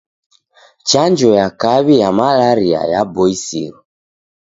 Chanjo ya kaw'i ya malaria yaboisiro.